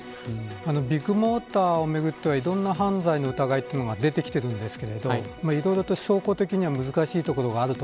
ビッグモーターをめぐってはいろいろな犯罪の疑いが出てきていますがいろいろと証拠的には難しいところがある。